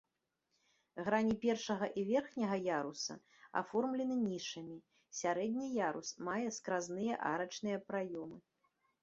Грані першага і верхняга яруса аформлены нішамі, сярэдні ярус мае скразныя арачныя праёмы.